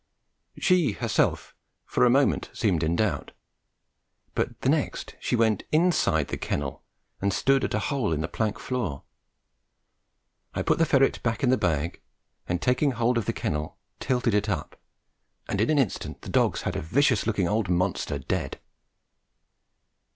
She herself for a moment seemed in doubt, but the next she went inside the kennel and stood at a hole in the plank floor. I put the ferret back in the bag and, taking hold of the kennel, tilted it up, and in an instant the dogs had a vicious looking old monster dead.